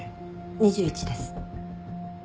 ２１です。